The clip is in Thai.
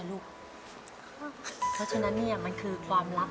ว้าวว้าวว้าว